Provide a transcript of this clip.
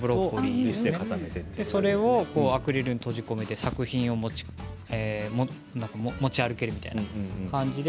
それを固めてアクリルに閉じ込めて作品を持ち歩けるみたいな感じで。